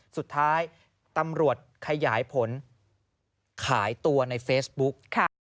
สุดท้ายตำรวจขยายผลขายตัวในเฟซบุ๊ก